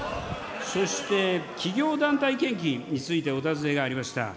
そして、企業団体献金についてお尋ねがありました。